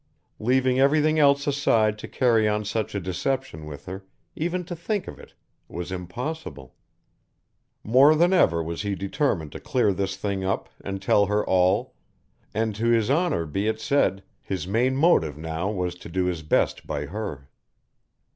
Leaving everything else aside to carry on such a deception with her, even to think of it, was impossible. More than ever was he determined to clear this thing up and tell her all, and, to his honour be it said, his main motive now was to do his best by her.